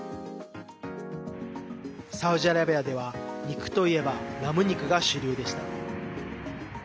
サウジアラビアでは肉といえばラム肉が主流でした。